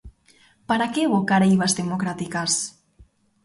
Para que evocar eivas democráticas?